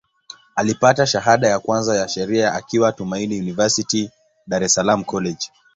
Alipata shahada ya kwanza ya Sheria akiwa Tumaini University, Dar es Salaam College.